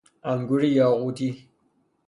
انگور یاقوتی